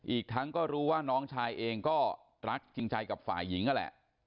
อีกทั้งก็รู้ว่าน้องชายเองก็รักจริงใจกับฝ่ายหญิงนั่นแหละ